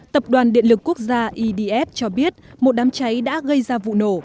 tập đoàn điện lực quốc gia idf cho biết một đám cháy đã gây ra vụ nổ